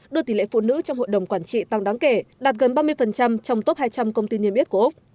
đưa tỷ lệ phụ nữ trong hội đồng quản trị tăng đáng kể đạt gần ba mươi trong top hai trăm linh công ty niêm yết của úc